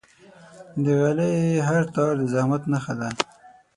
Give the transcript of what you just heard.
د غالۍ هر تار د زحمت نخښه ده.